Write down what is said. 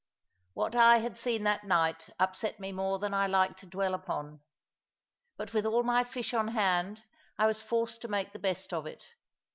What I had seen that night upset me more than I like to dwell upon. But with all my fish on hand, I was forced to make the best of it.